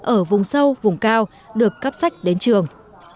ở vùng sâu vùng cao được cấp sách đến trường